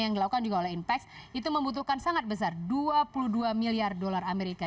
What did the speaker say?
yang dilakukan juga oleh inpex itu membutuhkan sangat besar dua puluh dua miliar dolar amerika